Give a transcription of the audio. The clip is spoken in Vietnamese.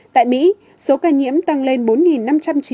tại mỹ số ca nhiễm tổng số ca nhiễm lên một mươi bốn chín trăm chín mươi một người